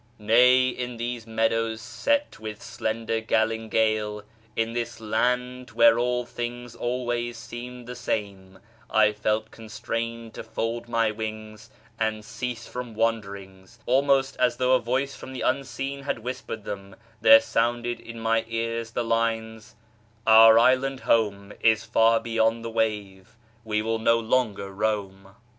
" Nay, in these "meadows set with slender galingale," in this " laud where all things always seemed the same," I felt con strained to " fold my wings, and cease from wanderings "; almost as though a voice from the unseen had whispered them, there sounded in my ears the lines —" Our island home Is far beyond the wave ; we will no longer roam."